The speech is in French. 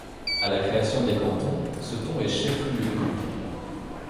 À la création des cantons, Ceton est chef-lieu de canton.